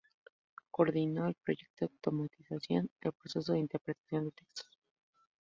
Coordinó el proyecto automatización del proceso de interpretación de textos.